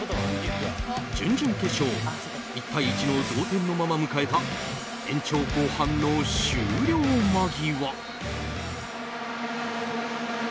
準々決勝１対１の同点のまま迎えた延長後半の終了間際。